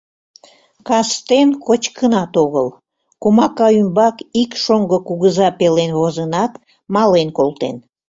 Кастен кочкынат огыл, комака ӱмбак ик шоҥго кугыза пелен возынат, мален колтен.